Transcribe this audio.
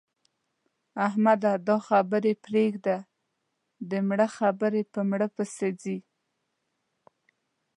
احمده! دا خبرې پرېږده؛ د مړه خبرې په مړه پسې ځي.